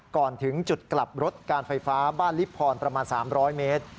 ก่อนถึงจุดกลับรถการไฟฟ้าบ้านลิพรประมาณ๓๐๐เมตร